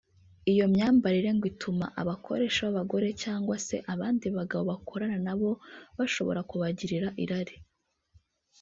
Iyo myambarire ngo ituma abakoresha b’ababagore cyangwa se abandi bagabo bakorana nabo bashobora kubagirira irari